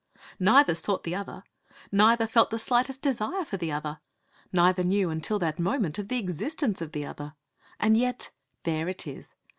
Neither sought the other; neither felt the slightest desire for the other; neither knew, until that moment, of the existence of the other; and yet there it is!